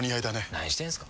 何してんすか。